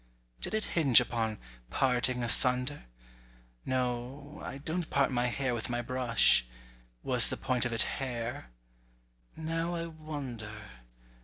Did it hinge upon "parting asunder?" No, I don't part my hair with my brush. Was the point of it "hair?" Now I wonder!